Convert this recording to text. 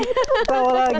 hei ketawa lagi